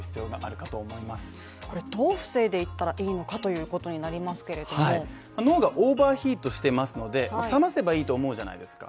これどう防いでいったらいいのかということになりますけれどもがオーバーヒートしてますので冷まばいいと思うじゃないですか。